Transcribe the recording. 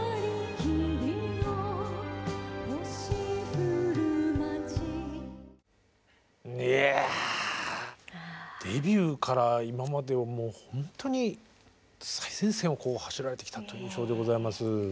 いやデビューから今までをもうほんとに最前線を走られてきたという印象でございます。